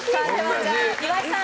岩井さん